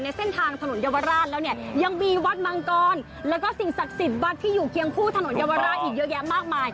ด้านหลังจะเห็นว่ามีการประดับประดาษไฟอย่างสวยงาม